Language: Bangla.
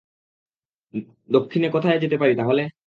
দক্ষিণে কোথায় যেতে পারি তাহলে?